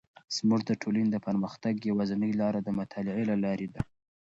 زموږ د ټولنې د پرمختګ یوازینی لاره د مطالعې له لارې ده.